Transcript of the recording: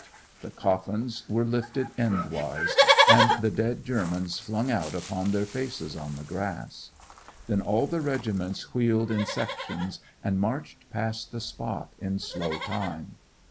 The coffins were lifted endwise, and the dead Germans flung out upon their faces on the grass. Then all the regiments wheeled in sections, and marched past the spot in slow time.